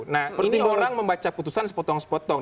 nah ini orang membaca putusan sepotong sepotong